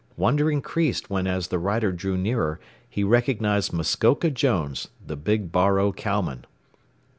Wonder increased when as the rider drew nearer he recognized Muskoka Jones, the big Bar O cowman.